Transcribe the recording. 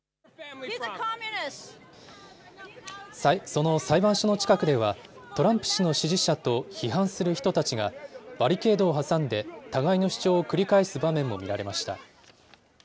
その裁判所の近くでは、トランプ氏の支持者と批判する人たちが、バリケードを挟んで、互いの主張を繰り返す場面も見られました。